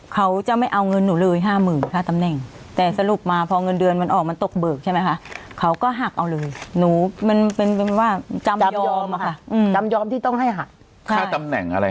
ฆ่าอะไรเงี้ยเช้าพนักกิจหมู่บ้านอะไร